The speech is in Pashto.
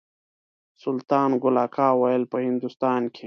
سلطان ګل اکا ویل په هندوستان کې.